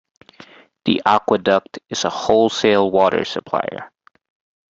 The Aqueduct is a wholesale water supplier.